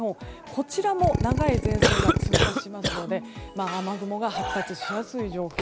こちらも長い前線が通過しますので雨雲が発達しやすい状況。